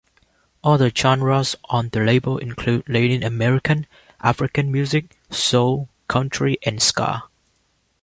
Other genres on the label include Latin American, African music, soul, country and ska.